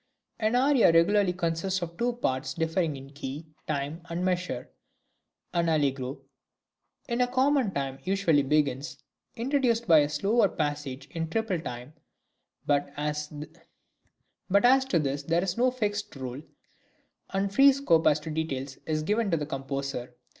An aria regularly consists of two parts differing in key, time, and measure. An allegro in common time usually begins, introduced by a slower passage in triple time; but as to this there is no fixed rule, and free scope as to details is given to the composer.